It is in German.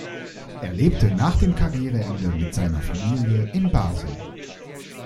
Er lebte nach dem Karriereende mit seiner Familie in Basel.